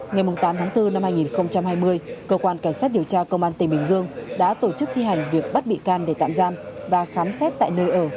ngày tám tháng bốn năm hai nghìn hai mươi cơ quan cảnh sát điều tra công an tỉnh bình dương đã tổ chức thi hành việc bắt bị can để tạm giam và khám xét tại nơi ở